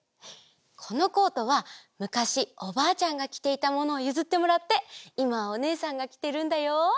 このコートはむかしおばあちゃんがきていたものをゆずってもらっていまはおねえさんがきてるんだよ！